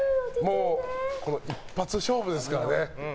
一発勝負ですからね。